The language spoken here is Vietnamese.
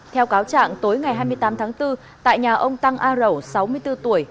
theo cáo trạng tối ngày hai mươi tám tháng bốn tại nhà ông tăng a rẩu sáu mươi bốn tuổi